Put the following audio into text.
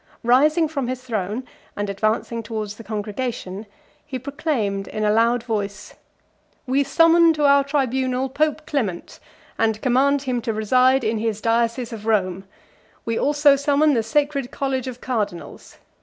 Rising from his throne, and advancing towards the congregation, he proclaimed in a loud voice: "We summon to our tribunal Pope Clement: and command him to reside in his diocese of Rome: we also summon the sacred college of cardinals.